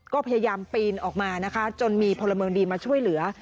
ก็พยายามปีนออกมานะคะจนมีพลเมืองดีมาช่วยเหลือ